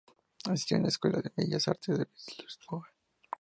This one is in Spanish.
Asistió a la Escuela de Bellas Artes de Lisboa.